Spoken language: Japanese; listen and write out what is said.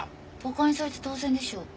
バカにされて当然でしょ。